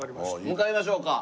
向かいましょうか。